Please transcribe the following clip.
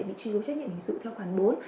bị truy vô trách nhiệm hình sự theo khoản bốn